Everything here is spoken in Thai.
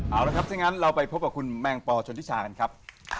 เอาละครับถ้างั้นเราไปพบกับคุณแมงปอชนทิชากันครับ